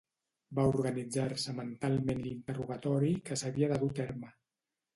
Va organitzar-se mentalment l'interrogatori que s'havia de dur a terme.